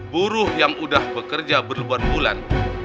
buruh yang udah bekerja berlebar bulan